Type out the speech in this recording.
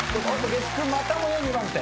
月９またもや２番手。